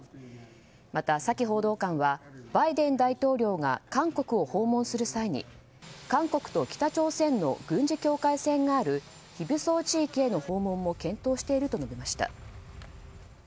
またサキ報道官はバイデン大統領が韓国を訪問する際に韓国と北朝鮮の軍事境界線がある非武装地帯への訪問も検討していると述べました。